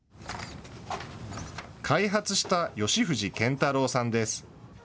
開発した吉藤健太朗さんです。